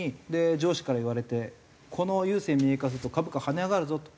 上司から言われて「この郵政民営化をすると株価跳ね上がるぞ」と。